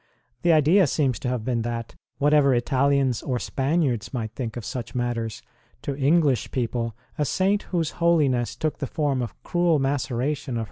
The idea seems to have been that, whatever Italians or Spaniards might think of such matters, to English people a saint whose holiness took the form of cruel maceration of her PROLOGUE : BIRTH AND BAPTISM OF ST.